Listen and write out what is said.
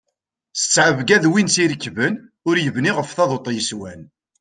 S ttɛebga d win tt-irekben, ur yebni ɣef taḍuṭ yeswan.